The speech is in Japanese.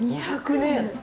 ２００年！